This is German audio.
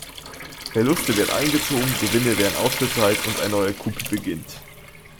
Verluste werden eingezogen, Gewinne werden ausbezahlt und ein neuer Coup beginnt.